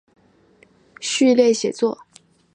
序列写作。